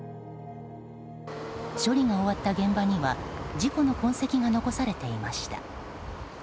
処理が終わった現場には事故の痕跡が残されていました。